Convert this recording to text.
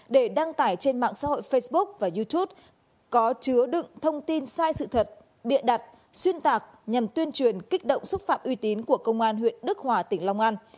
để đăng tải trên mạng xã hội facebook và youtube có chứa đựng thông tin sai sự thật bịa đặt xuyên tạc nhằm tuyên truyền kích động xúc phạm uy tín của công an huyện đức hòa tỉnh long an